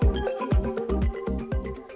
jadi kita bisa mandiri sayuran